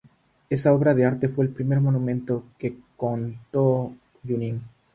Esa obra de arte fue el primer monumento con que contó Junín.